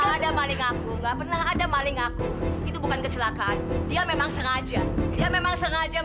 saya nggak sengaja bener saya nggak sengaja